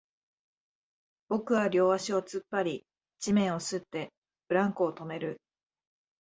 僕は両足を突っ張り、地面を擦って、ブランコを止める